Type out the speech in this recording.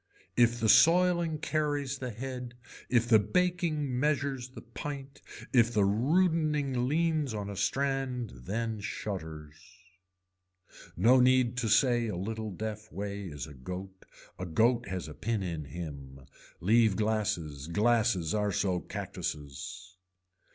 If the soiling carries the head, if the baking measures the pint, if the rudening leans on a strand then shutters. No need to say a little deaf way is a goat, a goat has a pin in him. Leave glasses, glasses are so cactuses.